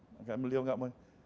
maka beliau tidak mau